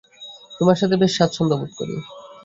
তোমার সাথে বেশ স্বাচ্ছন্দ্যবোধ করি।